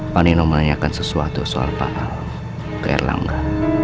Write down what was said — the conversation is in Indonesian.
pak nino menanyakan sesuatu soal pak ke erlangga